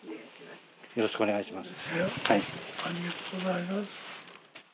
よろしくお願いします。